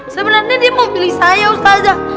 sebenarnya dia mau pilih saya ulfaza